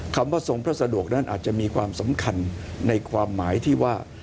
คำว่าทรงพระสะดวกนั้นอาจจะมีความสำคัญในความหมายที่ว่า